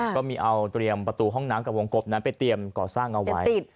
ก็มีเอาเตรียมประตูห้องน้ำกับวงกบนั้นไปเตรียมก่อสร้างเอาไว้